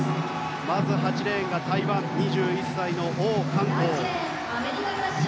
まず８レーン、台湾の２１歳オウ・カンコウ。